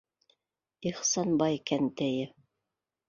Ихсанбай кәнтәйе.